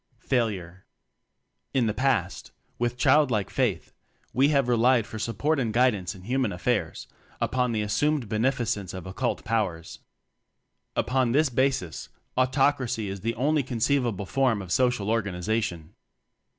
Failure. In the past, with childlike faith we have relied for support and guidance in human affairs upon the assumed beneficence of occult Powers. Upon this basis, Autocracy is the only con ceivable form of social organization.